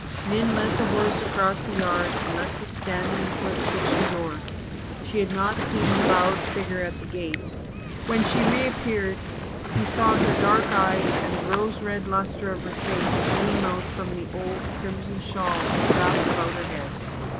Min led the horse across the yard and left it standing before the kitchen door; she had not seen the bowed figure at the gate. When she reappeared, he saw her dark eyes and the rose red lustre of her face gleam out from under the old crimson shawl wrapped about her head.